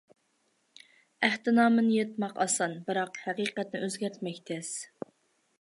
ئەھدىنامىنى يىرتماق ئاسان، بىراق ھەقىقەتنى ئۆزگەرتمەك تەس.